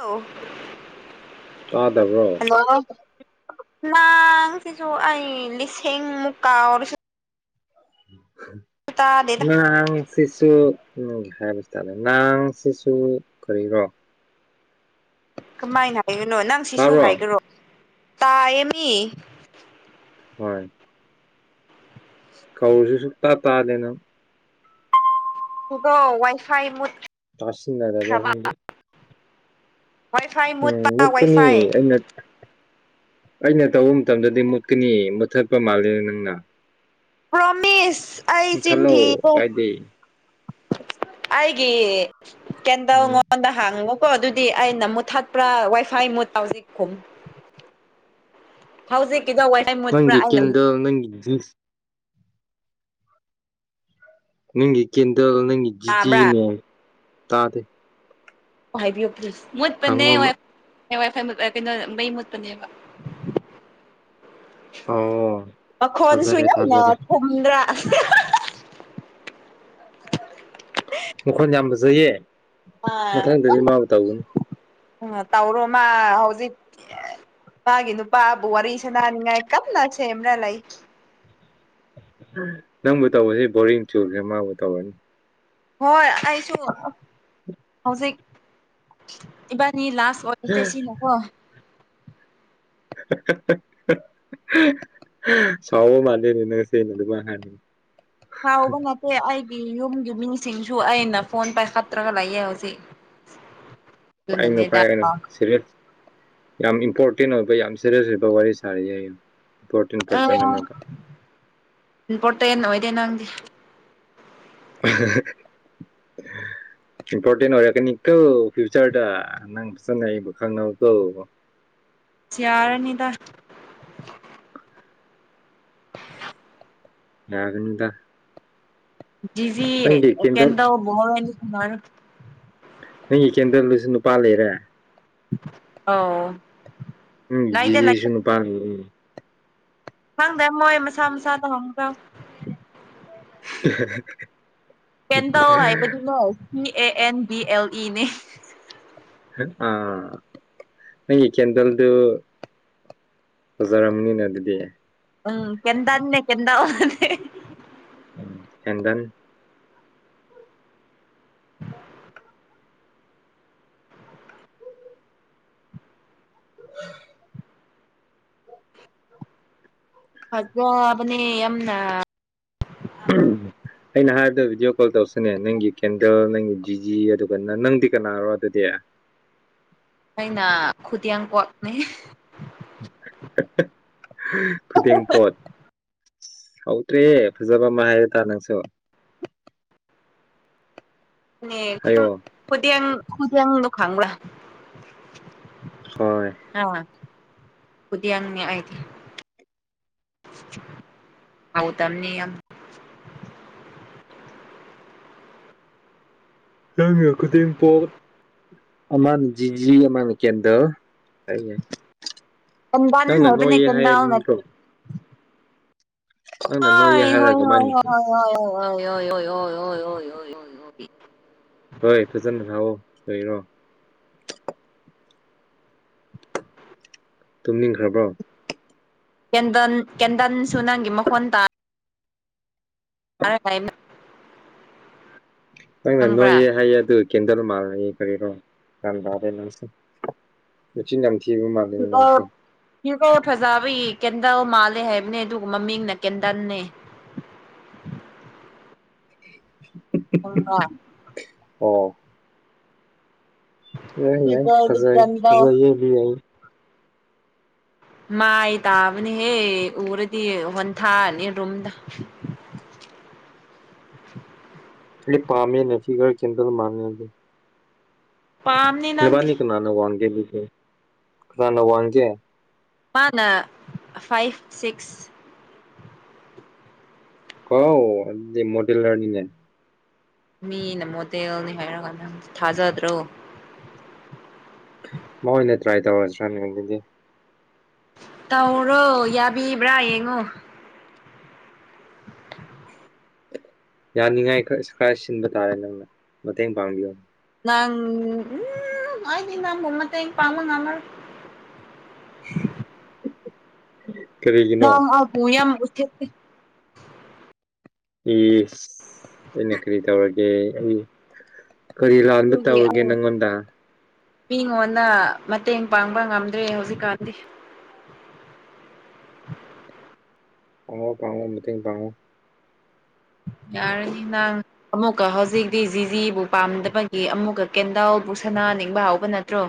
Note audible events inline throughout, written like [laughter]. ꯑꯧ ꯇꯥꯗꯕ꯭ꯔꯣ ꯍꯜꯂꯣ ꯅꯥꯡ ꯉꯁꯤꯁꯨ ꯑꯩ ꯂꯤꯁꯤꯡ ꯃꯨꯛ ꯀꯥꯎꯔꯁꯨ ꯇꯥꯗꯦꯗ ꯉꯔꯥꯡꯒꯤ ꯁꯤꯁꯨ ꯎ ꯍꯥꯏꯕ [unintelligible] ꯅꯥꯡꯁꯤꯁꯨ ꯀꯔꯤꯔꯣ ꯀꯃꯥꯏꯅ ꯍꯥꯏꯒꯅꯣ ꯅꯪ ꯁꯤꯁꯨ ꯇꯥꯕ꯭ꯔꯣ ꯍꯥꯏꯒꯦꯔꯣ ꯇꯥꯏꯌꯦ ꯃꯤ ꯍꯣꯏ ꯀꯧꯔꯁꯨ ꯁꯨꯛꯇꯥ ꯇꯥꯗꯦ ꯅꯪ ꯁꯤꯗꯣ ꯋꯥꯏ ꯐꯥꯏ ꯃꯨꯠ ꯇꯥꯁꯤꯟꯅꯔꯔꯣꯏ ꯅꯪꯗꯤ ꯋꯥꯏꯐꯥꯏ ꯎꯝ ꯃꯨꯠꯄ ꯃꯨꯠꯀꯅꯤ ꯋꯥꯏꯐꯥꯏ ꯑꯩꯅ ꯑꯩꯅ ꯇꯧꯕ ꯃꯇꯝꯗꯗꯤ ꯃꯨꯠꯀꯅꯤ ꯃꯨꯠꯊꯠꯄ ꯃꯥꯜꯂꯦ ꯅꯪꯅ ꯄ꯭ꯔꯣꯃꯤꯁ ꯑꯩ ꯃꯨꯊꯠꯂꯣ ꯆꯤꯟꯊꯤꯔꯣꯏ ꯀꯥꯏꯗꯦ ꯑꯩꯒꯤ ꯀꯦꯟꯗꯜ ꯎꯝ ꯉꯣꯟꯗ ꯍꯥꯡꯉꯣꯀꯣ ꯑꯗꯨꯗꯤ ꯑꯩꯅ ꯃꯨꯠꯊꯠꯄ꯭ꯔꯥ ꯋꯥꯏꯐꯥꯏ ꯃꯨꯠ ꯍꯧꯖꯤꯛꯈꯨꯝ ꯍꯧꯖꯤꯛꯀꯤꯗꯣ ꯋꯥꯏꯐꯥꯏ ꯃꯨꯠꯄ꯭ꯔꯥ ꯑꯩꯅ ꯑꯗꯣ ꯅꯪꯒꯤ ꯖꯨꯁ ꯅꯪꯒꯤ ꯀꯦꯟꯗꯜ ꯅꯪꯅꯦ ꯖꯤꯖꯤ ꯇꯥꯕ꯭ꯔꯥ ꯅꯦ ꯇꯥꯗꯦ ꯍꯥꯏꯕꯤꯌꯣ ꯄ꯭ꯂꯤꯁ ꯃꯨꯠꯄꯅꯦ ꯍꯪꯉꯣ ꯍꯣꯏ ꯑꯃꯔꯛ ꯋꯥꯏ ꯐꯥꯏ ꯃꯨꯠꯂꯗꯤ ꯅꯪ ꯃꯩ ꯃꯨꯠꯄꯅꯦꯕ ꯑꯣ ꯃꯈꯣꯟꯁꯨ ꯊꯥꯖꯔꯦ ꯌꯥꯝꯅ ꯊꯥꯖꯔꯦ ꯊꯨꯝꯗ꯭ꯔꯥ ꯑꯍꯥꯍꯥ ꯃꯈꯣꯟ ꯌꯥꯝ ꯐꯖꯩꯌꯦ ꯑꯥ ꯃꯊꯪꯗꯗꯤ ꯌꯥꯝ ꯃꯥꯕꯨ ꯇꯧꯒꯅꯤ ꯑꯥ ꯇꯧꯔꯣ ꯃꯥ ꯍꯧꯖꯤꯛ ꯃꯥꯒꯤ ꯅꯨꯨꯄꯥꯥꯕꯨ ꯋꯥꯔꯤ ꯁꯥꯟꯅꯥꯅꯤꯉꯥꯏ ꯀꯟꯅ ꯁꯦꯝꯔ ꯂꯩ ꯅꯪꯕꯨ ꯇꯧꯕꯁꯤ ꯕꯣꯔꯤꯡ ꯆꯨꯕꯅꯦ ꯃꯥꯕꯨ ꯇꯧꯔꯅꯤ ꯍꯣꯏ ꯑꯩꯁꯨ ꯍꯧꯖꯤꯛ ꯏꯕꯥꯅꯤ ꯂꯥꯁ [unintelligible] [unintelligible] ꯁꯥꯎꯕ ꯃꯥꯜꯂꯦꯅꯦ ꯅꯪꯁꯦ ꯑꯗꯨꯃꯥꯢꯅ ꯍꯥꯢꯔꯗꯤ꯫ ꯁꯥꯎꯕ ꯅꯠꯇꯦ ꯑꯩꯒꯤ ꯌꯨꯝꯒꯤ ꯃꯤꯁꯤꯡꯁꯨ ꯑꯩꯅ ꯐꯣꯟ ꯄꯥꯏꯈꯠꯇ꯭ꯔꯒ ꯂꯩꯌꯦ ꯍꯧꯖꯤꯛ꯫ ꯄꯥꯏꯅꯨ ꯑꯗꯨꯅꯅꯦꯗ ꯄꯥꯏꯔꯅꯨ ꯁꯤꯔꯦꯁ ꯌꯥꯝ ꯏꯝꯄꯣꯔꯇꯦꯟ ꯑꯣꯏꯕ ꯌꯥꯝ ꯁꯦꯔꯤꯌꯁ ꯑꯣꯏꯕ ꯋꯥꯔꯤ ꯁꯥꯔꯤꯌꯦ ꯍꯥꯢꯌꯣ ꯏꯝꯄꯣꯔꯇꯦꯟ ꯄꯥ꯭ꯔꯁꯟ ꯑꯃꯒ꯫ ꯏꯝꯄꯣꯔꯇꯦꯟ ꯑꯣꯏꯗꯦ ꯅꯪꯗꯤ꯫ [unintelligible] ꯏꯝꯄꯣꯔꯇꯦꯟ ꯑꯣꯏꯔꯛꯀꯅꯤ ꯀꯣ ꯐ꯭ꯌꯨꯆꯔꯗ ꯅꯪ ꯐꯖꯅ ꯑꯩꯕꯨ ꯈꯪꯍꯧꯀꯣ꯫ ꯆ꯭ꯌꯥꯔꯅꯤꯗ꯫ ꯌꯥꯒꯅꯨꯗ꯫ ꯗꯤꯖꯤ ꯀꯦꯟꯗꯜ ꯑꯣꯄꯦꯟꯗꯣ [unintelligible] ꯅꯪꯒꯤ ꯀꯦꯟꯗꯜꯗꯨꯁꯨ ꯅꯨꯄꯥ ꯂꯩꯔꯦ꯫ ꯑꯥꯎ ꯎꯝ ꯖꯤꯖꯤꯁꯨ ꯅꯨꯄꯥ ꯂꯩꯔꯦ꯫ ꯈꯪꯗꯦ ꯃꯣꯏ ꯃꯁꯥ ꯃꯁꯥꯗ ꯍꯪꯖꯧ꯫ ꯄꯦꯟꯗꯜ ꯍꯥꯏꯕꯗꯤꯀꯣ P A N D L E ꯅꯦ꯫ ꯑꯥ ꯅꯪꯒꯤ ꯀꯦꯟꯗꯜꯗꯨ꯫ ꯐꯖꯥꯔꯝꯅꯤꯅꯦ ꯑꯗꯨꯗꯤ꯫ ꯎꯝ ꯄꯦꯟꯗꯜꯅꯦ ꯀꯦꯟꯗꯜ ꯅꯠꯇꯦ꯫ ꯎꯝ ꯁꯦꯟꯗꯟ꯫ [unintelligible] ꯐꯖꯕꯅꯦ ꯌꯥꯝꯅ꯫ [unintelligible] ꯑꯩꯅ ꯍꯥꯏꯕꯗꯨ ꯚꯤꯗꯤꯌꯣ ꯀꯣꯜ ꯇꯧꯁꯦꯅꯦ ꯅꯪꯒꯤ ꯀꯦꯟꯗꯜ ꯅꯪꯒꯤ ꯖꯤꯖꯤ ꯑꯗꯨꯒ ꯅꯪ ꯅꯪꯗꯤ ꯀꯅꯥꯔꯣ ꯑꯗꯨꯗꯤ꯫ ꯑꯩꯅ ꯈꯨꯗ꯭ꯌꯥꯡꯀꯣꯠꯅꯦ꯫ [unintelligible] ꯐꯨꯗꯦꯡꯄꯣꯠ꯫ ꯍꯧꯇ꯭ꯔꯦꯌꯦ ꯐꯖꯕ ꯑꯃ ꯍꯥꯏꯔꯣꯗ ꯅꯪꯁꯨ꯫ ꯍꯥꯏꯌꯣ [unintelligible] ꯈꯨꯗꯦꯡꯗꯣ ꯈꯪꯕ꯭ꯔꯥ? ꯍꯣꯏ꯫ ꯑꯥ ꯈꯨꯗꯦꯡꯅꯦ ꯑꯩꯗꯤ꯫ ꯍꯥꯎꯇꯝꯅꯦ ꯌꯥꯝ꯫ ꯅꯪꯅ ꯈꯨꯗꯦꯡ ꯄꯣꯕ꯫ ꯑꯃꯅ ꯖꯤꯖꯤ ꯑꯃꯅ ꯀꯦꯟꯗꯜ ꯑꯩꯌꯦ꯫ ꯀꯦꯟꯗꯜ ꯅꯪꯅ ꯍꯥꯏꯕꯅꯦ ꯅꯣꯌꯦ ꯀꯦꯟꯗꯜ ꯍꯥꯏꯕ ꯅꯠꯇꯦ ꯅꯠꯇ꯭ꯔꯣ? ꯅꯪꯅ ꯅꯣꯏꯌꯦ ꯍꯣꯏ ꯍꯣꯏ ꯍꯥꯏꯔꯒ ꯍꯣꯏ ꯃꯥꯅꯤ ꯍꯣꯏ ꯍꯣꯏ ꯍꯣꯢ ꯌꯣꯢ ꯌꯣꯢ ꯌꯣꯢ ꯌꯣꯢ ꯌꯣꯢ ꯌꯣꯢ ꯌꯣꯢ ꯑꯣꯢ ꯐꯖꯅ ꯉꯥꯡꯉꯣ ꯀꯔꯤꯔꯣ꯫ ꯇꯨꯝꯅꯤꯡꯈ꯭ꯔꯕ꯭ꯔꯣ? ꯀꯦꯟꯗꯟ ꯀꯦꯟꯗꯟꯁꯨ ꯅꯪꯒꯤ ꯃꯈꯣꯟ ꯇꯥ [unintelligible] ꯅꯪꯅ ꯈꯪꯕ꯭ꯔꯥ ꯅꯣꯏꯌꯦ ꯍꯥꯏꯌꯦ ꯑꯗꯨꯒ ꯀꯦꯟꯗꯜ ꯃꯥꯜꯂꯌꯦ ꯀꯔꯤꯔꯣ ꯒ꯭ꯌꯥꯟ ꯇꯥꯗꯦ ꯅꯪꯁꯦ꯫ ꯃꯆꯤꯟ ꯌꯥꯝ ꯊꯤꯕ ꯃꯥꯜꯂꯦꯅꯦ ꯅꯪꯁꯦ꯫ ꯌꯣꯔꯀꯣꯜ ꯐꯖꯕꯒꯤ ꯀꯦꯟꯗꯜ ꯃꯥꯜꯂꯦ ꯍꯥꯏꯕꯅꯦ ꯑꯗꯨꯒ ꯃꯃꯤꯡꯅ ꯀꯦꯟꯗꯟꯅꯦ꯫ ꯈꯪꯕ꯭ꯔꯥ [unintelligible] ꯑꯣ꯫ ꯌꯥꯢ ꯌꯥꯏ ꯐꯤꯒꯔꯗꯤ ꯐꯖꯩ ꯀꯦꯟꯗꯜ ꯐꯖꯩꯌꯦ ꯑꯗꯨ ꯌꯥꯏ꯫ ꯃꯥꯥꯏ ꯇꯥꯕꯅꯦꯍꯦ ꯎꯔꯗꯤ ꯋꯥꯟꯊꯥꯅꯤ ꯔꯨꯝꯗ꯫ ꯑꯩ ꯄꯥꯝꯃꯦꯅ ꯐꯤꯒ꯭ꯔ ꯀꯦꯟꯗꯜ ꯃꯥꯜꯂꯦ ꯅꯪꯗꯤ ꯄꯥꯝ ꯅꯕꯅꯤ ꯀꯅꯥꯅ ꯋꯥꯡꯒꯦ ꯀꯅꯥꯅ ꯋꯥꯒꯦ ꯃꯥꯅ ꯐꯥꯏꯚ ꯁꯤꯛꯁ ꯀꯣ ꯑꯗꯨꯗꯤ ꯃꯣꯗꯦꯂꯔꯅꯤꯅꯦ ꯃꯤꯅ ꯃꯣꯗꯦꯜꯅꯤ ꯍꯥꯏꯔ ꯀꯥꯟꯗ ꯊꯥꯖꯗ꯭ꯔꯣ ꯃꯣꯏ ꯑꯣꯏꯅ ꯇ꯭ꯔꯥꯏ ꯇꯧꯔꯁꯤꯔꯥꯅꯦ ꯑꯗꯨꯗꯤ ꯇꯧꯔꯣ ꯌꯥꯕꯤꯕ꯭ꯔꯥ ꯌꯦꯡꯉꯣ ꯌꯥꯅꯤꯡꯉꯥꯏ ꯈꯔ ꯈꯔ ꯁꯤꯟꯕ ꯇꯥꯔꯦ ꯅꯪꯅ ꯃꯇꯦꯡ ꯄꯥꯡꯕꯤꯌꯨ ꯅꯪ ꯎꯝ ꯑꯩꯗꯤ ꯅꯪꯕꯨ ꯃꯇꯦꯡ ꯄꯥꯡꯕ ꯉꯝꯃꯔꯣꯏ ꯅ ꯀꯔꯤꯒꯤꯅꯣ ꯑꯩꯕꯨ ꯌꯥꯝ ꯎꯊꯦꯛꯇꯦ ꯏꯁ ꯑꯩꯅ ꯀꯔꯤ ꯇꯧꯔꯒ ꯑꯩ ꯀꯔꯤ ꯂꯥꯟꯕ ꯑꯗꯨꯒꯤ ꯇꯧꯔꯒꯦ ꯅꯪꯉꯣꯟꯗ ꯃꯤꯉꯣꯟꯗ ꯃꯇꯦꯡ ꯄꯥꯡꯕ ꯉꯝꯗ꯭ꯔꯦ ꯍꯧꯖꯤꯛꯀꯥꯟꯗꯤ ꯄꯥꯎꯉꯣ ꯄꯥꯡꯉꯣ ꯃꯇꯦꯡ ꯄꯥꯡꯉꯣ ꯌꯥꯔꯅꯤꯅꯥꯡ ꯑꯃꯨꯛꯀ ꯍꯧꯖꯤꯛꯇꯤ ꯖꯤꯖꯤꯕꯨ ꯄꯥꯝꯗꯕꯒꯤ ꯑꯃꯨꯛꯀ ꯀꯦꯟꯗꯥꯎꯜꯕꯨ ꯁꯅꯥꯅꯤꯡꯕ ꯍꯧꯕ ꯅꯠꯇ꯭ꯔꯣ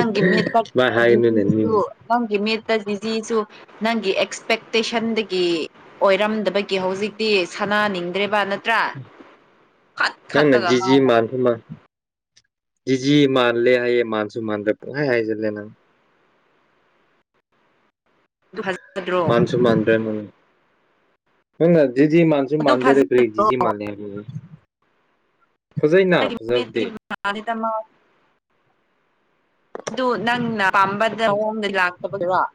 ꯎ ꯃꯤꯠꯇ ꯃꯥꯅ ꯍꯥꯏꯅꯣꯅꯦ ꯅꯤꯡ ꯖꯤꯖꯤꯁꯨ ꯅꯪꯒꯤ ꯃꯤꯠꯇ ꯖꯤꯖꯤꯁꯨ [unintelligible] ꯅꯪꯒꯤ ꯑꯦꯛꯁꯄꯦꯛꯇꯦꯁꯟꯗꯒꯤ ꯑꯣꯏꯔꯝꯗꯕꯒꯤ ꯍꯧꯖꯤꯛꯇꯤ ꯁꯅꯥꯅꯤꯡꯗ꯭ꯔꯦꯕ ꯅ ꯇ꯭ꯔꯥ ꯈꯠ ꯅꯪꯅ ꯈꯠꯂꯒ ꯃꯥꯅ [unintelligible] ꯖꯤꯖꯤ ꯃꯥꯜꯂꯦ ꯍꯥꯏꯌꯦ ꯃꯥꯟꯁꯨ ꯃꯥꯟꯗ꯭ꯔꯦ ꯄꯨꯡꯍꯥꯏ ꯍꯥꯏꯁꯤꯜꯂꯦ ꯅꯪ ꯑꯗꯨꯍꯖ ꯃꯥꯟꯁꯨ ꯃꯥꯟꯗ꯭ꯔꯦ ꯅꯪ ꯅꯪꯅ ꯖꯤ ꯖꯤ ꯃꯥꯁꯨ ꯑꯗꯨ ꯃꯥꯥꯟꯗꯦꯔ ꯀꯔꯤ ꯖꯤ ꯐꯖꯗ꯭ꯔꯣ ꯖꯤ ꯃꯥꯥꯟꯂꯦ ꯍꯥꯏꯕ꯭ꯔꯣ [unintelligible] ꯐꯖꯕꯗꯤ [unintelligible] ꯑꯗꯨ ꯅꯪꯅ ꯄꯥꯝꯕꯗ ꯅꯌꯣꯡꯗ ꯂꯥꯛ [unintelligible]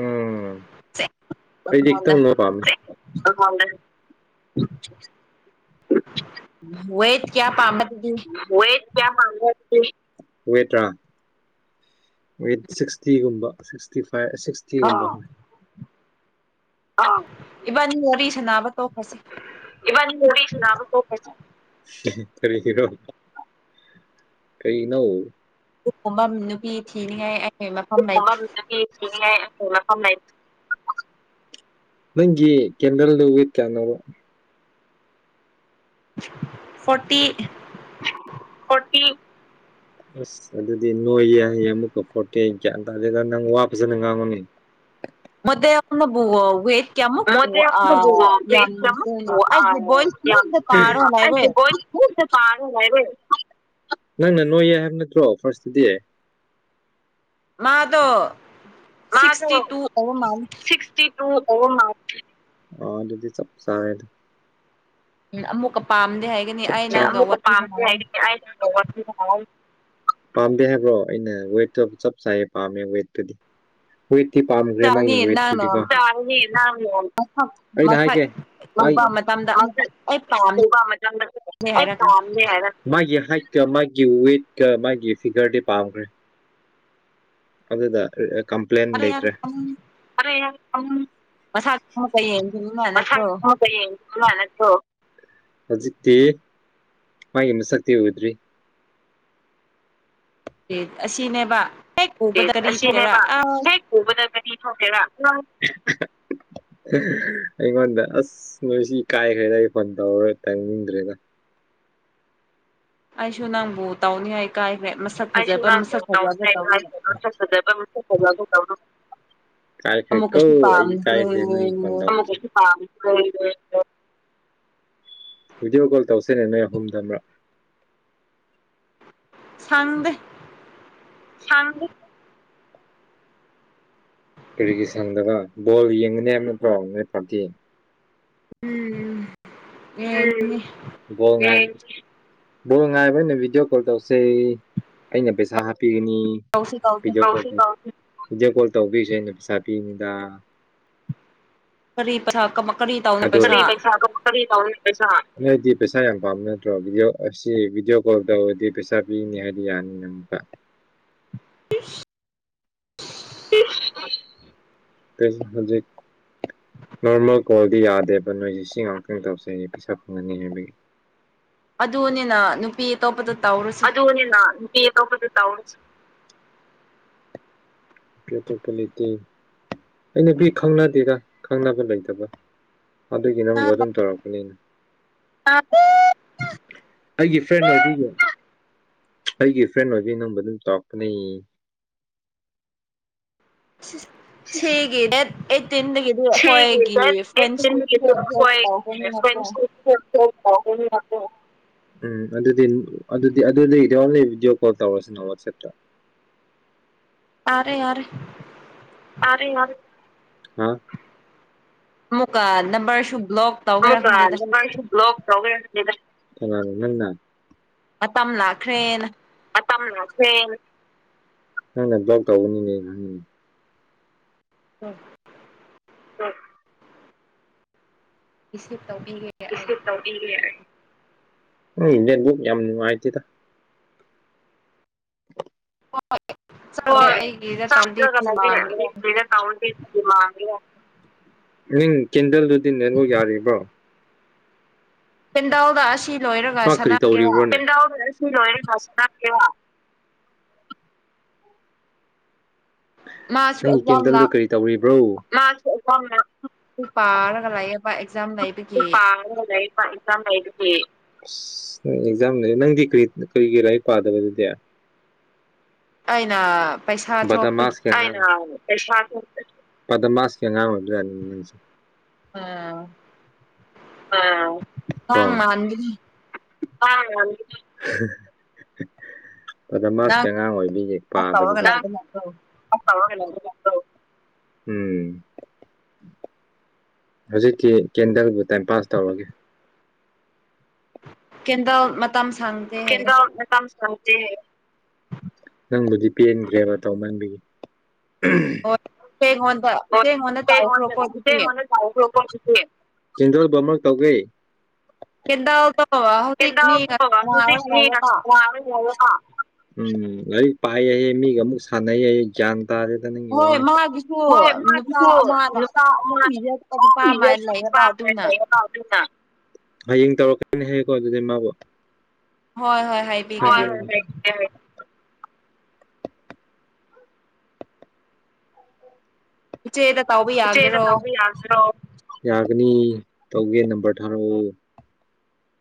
ꯎꯝ ꯑꯩꯉꯣꯟꯗ ꯑꯩꯗꯤ ꯈꯤꯇꯪ ꯅꯣꯏ ꯄꯥꯝꯃꯦ ꯋꯦꯠ ꯀꯌꯥ ꯄꯥꯝꯕ ꯑꯗꯨꯗꯤ ꯋꯦꯠ ꯀꯌꯥ ꯄꯥꯝꯕ꯭ꯔ ꯑꯗꯨꯗꯤ ꯋꯦꯠꯂꯣ ꯋꯦꯠ ꯁꯤꯛꯁꯇꯤꯒꯨꯝꯕ ꯁꯤꯛꯁꯇꯤ ꯐꯥꯏꯚ ꯁꯤꯛꯁꯇꯤꯒꯨꯝꯕ ꯑꯥ ꯍꯣꯏ ꯑꯥ ꯏꯕꯥꯅꯤ ꯋꯥꯔꯤ ꯁꯥꯅꯕ ꯇꯣꯛꯈ꯭ꯔꯁꯦ ꯏꯕꯥꯅꯤ ꯋꯥꯔꯤ ꯁꯥꯟꯅꯕ ꯇꯣꯛꯈ꯭ꯔꯁꯦ ꯀꯔꯤꯒꯤꯔꯣ ꯀꯩꯅꯣ ꯑꯗꯨꯒꯨꯝꯕ ꯅꯨꯄꯤ ꯊꯤꯅꯤꯡꯉꯥꯏ ꯑꯩ ꯃꯐꯝ ꯂꯩꯇꯦ [unintelligible] ꯅꯪꯒꯤ ꯀꯦꯟꯗꯜꯗꯨ ꯋꯦꯠ ꯀꯌꯥꯅꯣꯕ ꯐꯣꯔꯇꯤ ꯐꯣꯔꯇꯤ ꯑꯁ ꯑꯗꯨꯗꯤ ꯅꯣꯏꯌꯦ ꯍꯥꯏꯌꯦ ꯑꯃꯨꯛꯀ ꯐꯣꯔꯇꯤ ꯒ꯭ꯌꯥꯟ ꯇꯥꯗꯦꯗ ꯅꯪ ꯋꯥ ꯐꯖꯅ ꯉꯥꯡꯉꯨꯃꯤ ꯃꯣꯗꯦꯜ ꯑꯃꯕꯨ ꯋꯦꯠ ꯀꯌꯥꯃꯨꯛ ꯑ ꯃꯣꯗꯦꯜꯅꯕꯨ ꯋꯦꯠꯁꯦ ꯑꯃꯨꯛꯄꯨ ꯌꯥꯝꯗꯣꯏꯅꯣ ꯑꯩꯒꯤ ꯚꯣꯏꯁ ꯃꯨꯟꯅ ꯄꯥꯔꯣ ꯂꯩꯔꯦ ꯃꯨꯟꯅ ꯄꯥꯔꯣ ꯂꯩꯔꯦ ꯅꯪꯅ ꯅꯣꯏꯌꯦ ꯍꯥꯏꯕ ꯅꯠꯇ꯭ꯔꯣ ꯐꯥꯔꯁꯇꯗꯤ ꯃꯥꯗꯣ ꯃꯥꯗꯣ ꯁꯤꯛꯁꯇꯤ ꯇꯨ ꯑꯣꯏꯕ ꯃꯥꯂꯦ [unintelligible] ꯑꯣ ꯑꯗꯨꯗꯤ ꯆꯞ ꯆꯥꯔꯦꯗ ꯎꯝ ꯑꯃꯨꯛꯀ ꯄꯥꯝꯗꯦ ꯍꯥꯏ ꯑꯃꯨꯛꯀ ꯄꯥꯝꯗꯦ ꯍꯥꯏꯒꯅꯤ ꯑꯩꯅ ꯇꯧꯕ [unintelligible] ꯄꯥꯝꯗꯦ ꯍꯥꯏꯕ꯭ꯔꯣ ꯑꯩꯅ ꯋꯦꯠꯇꯣ ꯆꯞ ꯆꯥꯏꯌꯦ ꯄꯥꯝꯃꯦ ꯋꯦꯠꯇꯨꯗꯤ ꯋꯦꯠꯇꯤ ꯄꯥꯝꯈ꯭ꯔꯦ ꯃꯥꯒꯤ ꯆꯥꯎꯅꯤ ꯅꯪꯅ ꯋꯦꯠꯇꯨꯗꯤꯀꯣ [unintelligible] ꯑꯩꯅ ꯃꯁꯛ ꯍꯥꯏꯒꯦ ꯑꯩ ꯎꯕ ꯃꯇꯝꯗ ꯑꯃꯨꯛꯀ ꯃꯁꯛ ꯑꯩ ꯄꯥꯝ ꯎꯕ ꯃꯇꯝꯗ [unintelligible] ꯑꯩ ꯍꯥꯏꯔꯛꯀꯅꯤ ꯄꯥꯝꯗꯦ ꯃꯥꯒꯤ ꯍꯥꯏꯠꯀ ꯃꯥꯒꯤ ꯋꯦꯠꯀ ꯃꯥꯒꯤ ꯐꯤꯒꯔꯗꯤ ꯄꯥꯝꯈ꯭ꯔꯦ ꯑꯗꯨꯗ ꯑꯦ ꯑꯥ ꯀꯝꯄ꯭ꯂꯦꯟ ꯌꯥꯔꯦ ꯌꯥꯔꯦ ꯂꯩꯇ꯭ꯔꯦ [unintelligible] ꯃꯁꯥꯛ ꯑꯃꯨꯀ ꯌꯦꯡꯈꯤꯅꯤꯅ ꯃꯁꯛ ꯅꯠꯇ꯭ꯔꯣ ꯑꯃꯨꯛꯀ [unintelligible] ꯅꯠꯇ꯭ꯔꯣ ꯍꯧꯖꯤꯛꯇꯤ ꯃꯥꯒꯤ ꯃꯁꯛꯇꯤ ꯎꯗ꯭ꯔꯤ ꯇꯦ ꯑꯁꯤꯅꯦꯕ ꯍꯦꯛ ꯎꯕꯗ ꯀꯔꯤ ꯊꯣꯛꯀꯦꯔ ꯑꯁꯤꯅꯦꯕ ꯑꯥꯁ [unintelligible] [unintelligible] ꯑꯩꯉꯣꯟꯗ ꯑꯁ ꯅꯣꯏꯁꯤ ꯏꯀꯥꯏꯈ꯭ꯔꯦꯗ ꯑꯩ ꯐꯣꯟ ꯇꯧꯔꯔꯣꯏ ꯇꯪꯅꯤꯡꯗ꯭ꯔꯦꯗ ꯑꯩꯁꯨ ꯅꯪꯕꯨ ꯇꯧꯅꯤꯉꯥꯏ ꯏꯀꯥꯏꯈ꯭ꯔꯦ ꯃꯁ ꯑꯩꯁꯨ ꯅꯪꯕꯨ ꯇꯧꯅꯤꯉꯥꯏ ꯏꯀꯥꯏꯈ꯭ꯔꯦ ꯃꯁꯛ ꯐꯖꯕ ꯃꯁꯛ ꯐꯖꯕ ꯇꯧꯗꯨ [unintelligible] ꯏꯀꯥꯏꯈ꯭ꯔꯦ ꯀꯣ ꯑꯃꯨꯛꯀꯁꯨ ꯑꯩ ꯄꯥꯝꯗ꯭ꯔꯦ ꯏꯀꯥꯏꯈ꯭ꯔꯦ ꯅꯪ ꯐꯣꯟ ꯇꯧ [unintelligible] [inaudible] ꯚꯤꯗꯤꯑꯣ ꯀꯣꯜ ꯇꯧꯁꯦꯅꯦ ꯅꯣꯏ ꯑꯍꯨꯝꯗ ꯑꯃꯔꯛ ꯁꯪꯗꯦ ꯁꯥꯡꯗꯦ ꯀꯔꯤꯒꯤ ꯁꯪꯗꯕ ꯕꯣꯜ ꯌꯦꯡꯒꯅꯤ ꯍꯥꯏꯝ ꯅꯠꯇ꯭ꯔꯣ ꯅꯣꯏ ꯄꯥꯔꯇꯤ ꯎꯝ [unintelligible] ꯕꯣ ꯉꯥꯏꯕ ꯑꯣꯏꯅ ꯚꯤꯗꯤꯑꯣ ꯀꯣꯜ ꯇꯧꯁꯦ ꯑꯩꯅ ꯄꯩꯁꯥ ꯍꯥꯞꯄꯤꯒꯅꯤ ꯇꯧꯁꯤ [inaudible] ꯇꯧꯁꯤ ꯚꯤꯗꯤꯑꯣ ꯀꯣꯜ ꯇꯧꯕꯤꯁꯦ ꯑꯩꯅ ꯄꯩꯁꯥ ꯄꯤꯅꯤꯗ ꯀꯔꯤ ꯄꯔ [unintelligible] [inaudible] ꯀꯔꯤ ꯄꯩꯁꯥ [unintelligible] [unintelligible] ꯅꯣꯏꯗꯤ ꯄꯩꯁꯥ ꯌꯥꯝ ꯄꯥꯝꯕ ꯅꯠꯇ꯭ꯔꯣ ꯚꯤꯗꯤꯑꯣ ꯑꯁꯤ ꯚꯤꯗꯤꯑꯣ ꯀꯣꯜ ꯇꯧꯔꯗꯤ ꯄꯩꯁꯥ ꯕꯤꯒꯅꯤ ꯍꯥꯏꯗꯤ ꯌꯥꯅꯤ ꯅꯪꯃꯨꯛꯀ ꯏꯁ [unintelligible] ꯀꯦꯏꯁ ꯍꯨꯖꯤꯛ ꯃꯔꯛ ꯃꯔꯛ ꯀꯣꯜꯗꯤ ꯌꯥꯗꯦꯕ ꯅꯣꯏꯒꯤ ꯁꯤ ꯉꯥꯛꯇꯪ ꯇꯧꯁꯦꯌꯦ ꯄꯩꯁꯥ ꯐꯪꯒꯅꯤ ꯍꯥꯏꯕꯒꯤ ꯑꯗꯨꯅꯤꯅ ꯅꯨꯄꯤ ꯇꯣꯞꯄꯗ ꯇꯧꯔꯨꯠ ꯑꯗꯨꯅꯦꯅ ꯅꯨꯄꯤ ꯑꯇꯣꯞꯄꯗ ꯇꯧꯔꯁ ꯄꯤ ꯑꯇꯣꯞꯄ ꯂꯩꯇꯦ ꯑꯩ ꯅꯨꯄꯤ ꯈꯪꯅꯗꯦꯗ ꯈꯪꯅꯕ ꯂꯩꯇꯕ ꯑꯗꯨꯒꯤ ꯅꯪꯕꯨ ꯑꯗꯨꯝ ꯇꯧꯔꯛꯄꯅꯤꯅ ꯑꯥ ꯑꯩꯒꯤ ꯐ꯭ꯔꯦꯟ ꯑꯣꯏꯕꯒꯤ [unintelligible] ꯑꯩꯒꯤ ꯐ꯭ꯔꯦꯟ ꯑꯣꯏꯕꯩ ꯅꯪꯕꯨ ꯑꯗꯨꯝ ꯇꯧꯔꯛꯀꯅꯤ ꯁꯤꯒꯤ ꯗꯦꯠ ꯑꯩꯠꯇꯤꯟꯗꯒꯤꯗꯤ ꯑꯩꯈꯣꯏꯒꯤ [unintelligible] ꯐ꯭ꯔꯦꯟꯁꯤꯞꯁꯦ ꯕ꯭ꯂꯣꯛ ꯇꯧꯕꯅꯤꯅꯀꯣ [unintelligible] ꯎꯝ ꯑꯗꯨꯗꯤ ꯑꯗꯨꯗꯤ ꯑꯗꯨꯗꯤ ꯗꯤꯌꯥꯎꯂꯩ ꯚꯤꯗꯤꯑꯣ ꯀꯣꯜ ꯇꯧꯔꯁꯤꯅ ꯋꯥꯠꯆꯦꯞꯇ ꯇꯥꯔꯦ ꯌꯥꯔꯦ ꯇꯥꯔꯦ ꯌꯥꯔꯦ ꯍꯥ ꯑꯃꯨꯛꯀ ꯅꯝꯕꯔꯁꯨ ꯕ꯭ꯂꯣꯛ ꯇꯧꯒꯦꯔꯥ ꯑꯃꯨꯛꯀ ꯈꯪꯗꯦꯗ ꯅꯝꯕꯔꯁꯨ ꯕ꯭ꯂꯣꯛ ꯇꯧ ꯂꯩꯔꯝꯕꯅꯤꯗ ꯀꯅꯥꯅ ꯅꯪꯅ꯫ ꯃꯇꯝ ꯂꯥꯛꯈ꯭ꯔꯦꯅ ꯃꯇꯝ ꯂꯥꯛꯈ꯭ꯔꯦꯅ ꯅꯪ ꯕ꯭ꯂꯣꯛ ꯇꯧꯒꯅꯤꯅꯦ ꯅꯪ [inaudible] [unintelligible] ꯏꯁꯂꯤꯞ ꯇꯧꯕꯤꯒꯦ꯫ ꯑꯩ ꯏꯁꯂꯤꯞ ꯇꯧꯕꯤꯒꯦ ꯑꯩ ꯅꯦꯠꯕꯨꯛ ꯌꯥꯝ ꯅꯨꯡꯉꯥꯏꯇꯦꯗ꯫ [inaudible] ꯆꯠꯂꯦ ꯍꯣꯏ ꯑꯩꯒꯤꯗ ꯆꯥꯛ [unintelligible] ꯇꯧꯔꯗꯤ ꯂꯥꯡꯒꯦꯔ [unintelligible] ꯅꯤꯝ ꯀꯦꯟꯗꯜꯗꯨꯗꯤ ꯅꯦꯠꯋꯛ ꯌꯥꯔꯤꯕ꯭ꯔꯣ? ꯀꯦꯟꯗꯜꯗ ꯑꯁꯤꯞ ꯃꯥ ꯀꯔꯤ ꯇꯧꯔꯤꯕ꯭ꯔꯣꯅꯦ [unintelligible] ꯃꯥꯁꯨ ꯅꯪꯒꯤ ꯑꯦꯛꯖꯥꯝ ꯀꯦꯟꯗꯜꯗꯨ ꯂꯥꯛ ꯀꯔꯤ ꯇꯧꯔꯤꯕ꯭ꯔꯣ [unintelligible] ꯑꯗꯨꯝ ꯄꯥꯔꯒ ꯂꯩꯌꯦ꯫ ꯃꯥ ꯑꯦꯛꯖꯥꯝ ꯂꯩꯕꯒꯤ ꯄꯔꯒ ꯂꯩ ꯃꯥ ꯑꯦꯛꯖꯥꯝ ꯂꯩꯗꯨꯗꯤ ꯏꯁ ꯅꯪꯗꯤ ꯀꯔꯤ ꯀꯔꯤꯒꯤ ꯂꯥꯏꯔꯤꯛ ꯄꯥꯗꯕꯗꯨꯗꯤ꯫ ꯑꯩꯅ ꯄꯩꯁꯥ ꯆꯣꯞꯄꯒꯤ ꯕꯗꯃꯥꯁꯀꯤ ꯑꯩꯅ ꯄꯩꯁꯥ ꯊꯣꯛꯇꯕꯩ ꯕꯗꯃꯥꯁꯀꯤ ꯑꯉꯥꯡ ꯑꯣꯏꯕꯖꯥꯠꯅꯦ ꯅꯪꯁꯦ꯫ ꯑꯥ ꯑꯥ ꯀꯣ ꯃꯥꯟꯕꯒꯤ ꯄꯈꯔꯅꯦ ꯕꯗꯃꯁꯀꯤ ꯅꯪ ꯑꯉꯥꯡ ꯑꯣꯏꯕꯒꯤ ꯇꯧꯔꯒ ꯄꯥꯗꯕꯖꯥꯠ ꯂꯩꯕ ꯅꯠꯇ꯭ꯔꯣ ꯎꯝ ꯍꯧꯖꯤꯛꯇꯤ ꯀꯦꯟꯗꯜꯗꯨ ꯇꯥꯏꯝ ꯄꯥꯁ ꯇꯧꯔꯒꯦ꯫ ꯀꯦꯟꯗꯜ ꯃꯇꯝ ꯁꯥꯡꯗꯦ ꯍꯥꯏꯌꯦ꯫ ꯃꯇꯝꯅ ꯁꯪꯗꯦ ꯍꯥꯏꯑꯦ꯫ ꯅꯪꯕꯨꯗꯤ ꯄꯦꯟꯈ꯭ꯔꯦꯕ ꯇꯧꯃꯟꯕꯒꯤ꯫ ꯏ ꯑꯩꯉꯣꯟꯗ ꯏꯆꯦ ꯑꯩꯉꯣꯟꯗ ꯇꯥꯎꯈ꯭ꯔꯣꯀꯣ ꯑꯗꯨꯗꯤ꯫ ꯇꯧꯈꯔꯣꯀꯣ ꯑꯗꯨꯗꯤ ꯀꯦꯟꯗꯥꯜ ꯕꯃꯔ ꯇꯧꯒ꯭ꯔꯦ꯫ ꯀꯦꯟꯗꯜ ꯀꯦꯟꯗꯜ ꯂꯩꯌꯦꯕ [unintelligible] ꯎꯝ ꯂꯩꯔꯤꯛ ꯄꯥꯏꯑꯍꯦ ꯃꯤꯒ ꯑꯃꯨꯛ ꯁꯥꯟꯅꯩꯌꯦꯍꯦ ꯒ꯭ꯌꯥꯟ ꯇꯥꯔꯦꯗ ꯅꯪꯒꯤ ꯍꯣꯏ ꯋꯥꯁꯨ ꯃꯥꯒꯤꯁꯨ ꯍꯣꯏ ꯅꯨꯄꯥ ꯃꯥꯗꯤꯀꯣ ꯑꯃꯅ ꯂꯨꯄꯥ ꯑꯗꯨꯝ ꯄꯤꯔꯛꯄ ꯅꯨꯄꯥ ꯑꯃ ꯂꯩꯌꯦꯕ ꯑꯗꯨꯅ [unintelligible] ꯍꯌꯦꯡ ꯇꯧꯔꯛꯀꯅꯤ ꯍꯥꯏꯌꯦꯀꯣ ꯑꯗꯨꯗꯤ ꯃꯥꯕꯨ ꯍꯣꯏ ꯍꯣꯏ ꯍꯥꯏ ꯍꯣꯏ ꯍꯣꯏ ꯍꯥꯏꯕꯤꯒꯦ ꯍꯥꯏꯕꯤꯒꯦ ꯆꯦꯗ ꯇꯧꯕꯤ ꯏꯆꯦꯗ ꯇꯧꯕ ꯌꯒꯦꯔꯣ ꯌꯥꯒꯅꯤ ꯇꯧꯒꯦ ꯅꯝꯕꯔ ꯊꯥꯔꯛꯑꯣ꯫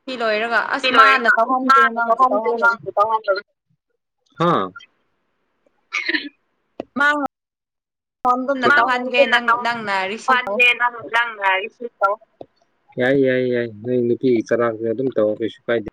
ꯁꯤ ꯂꯣꯏꯔꯒ ꯁꯤ ꯑꯁ ꯃꯥꯅ ꯔꯣꯏꯔꯒ ꯇꯧꯍꯟꯗꯦ ꯃꯥꯅ ꯅꯪꯕꯨ ꯇꯍꯟꯗꯦ ꯇꯧꯍꯟꯗꯦ ꯃꯥꯁꯨ ꯇꯥꯍꯟꯗ ꯍꯥ ꯃꯥꯉ ꯐꯣꯟꯒꯨꯝꯅ ꯇꯧꯍꯟꯒꯦ ꯅꯪꯅ ꯅꯪ ꯅꯪꯅ ꯔꯤꯁꯤꯉꯣ ꯇꯧꯍꯟꯒꯦ ꯅꯪ ꯅꯪꯅ ꯔꯤꯁꯤꯞ ꯇꯧꯑꯣ ꯌꯥꯏ ꯌꯥꯏ ꯌꯥꯏ ꯅꯣꯏ ꯅꯨꯄꯤꯒꯤ ꯆꯔꯥꯛꯁꯦ ꯑꯗꯨꯝ ꯇꯧ ꯀꯩꯁꯨ ꯀꯥꯏꯗꯦ꯫